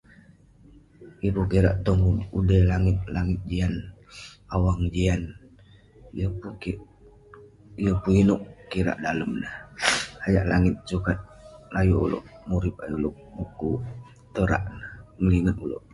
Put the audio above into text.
Yeng pun kirak tong ude langit jian, awang jian. Yeng pun ineuk kirak dalem neh. Sajak langit sukat ayuk ulouk murip, ayuk ulouk mukuk tong rak neh. Ngelinget ulouk.